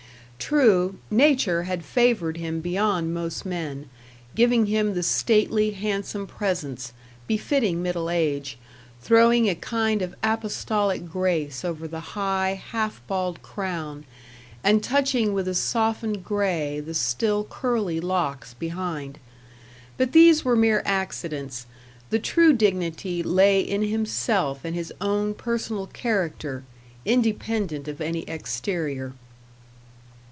True, Nature had favoured him beyond most men, giving him the stately, handsome presence, befitting middle age, throwing a kind of apostolic grace over the high, half bald crown, and touching with a softened grey the still curly locks behind. But these were mere accidents; the true dignity lay in himself and his own personal character, independent of any exterior.